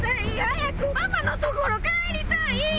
早くママのところ帰りたい！